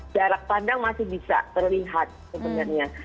jarak pandang masih bisa terlihat sebenarnya